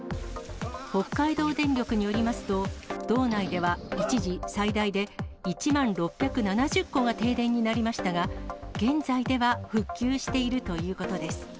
北海道電力によりますと、道内では一時、最大で１万６７０戸が停電になりましたが、現在では復旧しているということです。